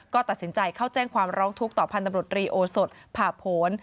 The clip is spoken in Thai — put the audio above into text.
ก็ตัดสินใจเข้าแจ้งความร้องทุกข์ต่อพันธบรตรีโอสดผ่าโผล